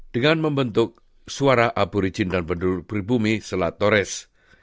dengan membentuk suara aborigin dan penduduk berbumi selat torres